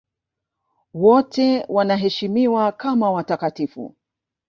Wote wanaheshimiwa kama watakatifu.